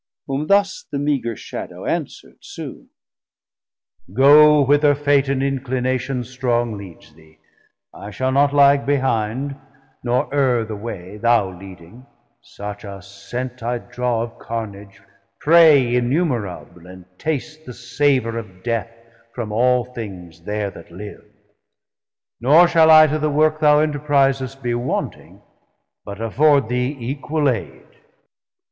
Whom thus the meager Shadow answerd soon. Goe whither Fate and inclination strong Leads thee, I shall not lag behinde, nor erre The way, thou leading, such a sent I draw Of carnage, prey innumerable, and taste The savour of Death from all things there that live: Nor shall I to the work thou enterprisest 270 Be wanting, but afford thee equal aid.